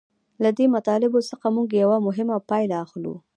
له دې مطالبو څخه موږ یوه مهمه پایله اخلو